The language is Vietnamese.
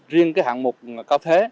riêng cái hạng mục cao thế